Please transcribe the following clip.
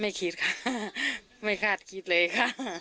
ไม่คิดค่ะไม่คาดคิดเลยค่ะ